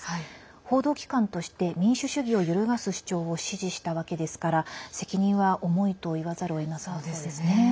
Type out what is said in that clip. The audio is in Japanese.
報道機関として民主主義を揺るがす主張を支持したわけですから責任は重いといわざるをえなそうです。